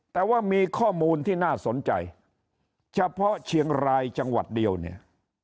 แต่ว่ามีข้อมูลที่น่าสนใจเฉพาะเชียงรายจังหวัดเดียวเนี่ย